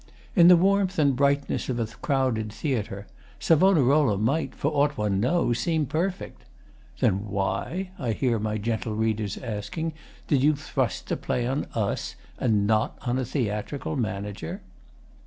In the warmth and brightness of a crowded theatre 'Savonarola' might, for aught one knows, seem perfect. 'Then why,' I hear my gentle readers asking, 'did you thrust the play on US, and not on a theatrical manager?